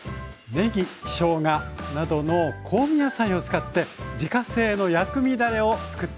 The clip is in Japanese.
ねぎしょうがなどの香味野菜を使って自家製の薬味だれをつくってみませんか？